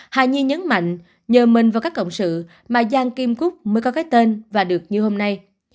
hà nhi nhấn mạnh nhờ mình vào các cộng sự mà giang kim cúc mới có cái tên và được như hôm nay